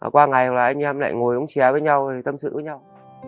qua ngày là anh em lại ngồi ống chè với nhau tâm sự với nhau